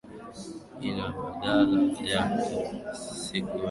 i na badala yake siku hatimae saa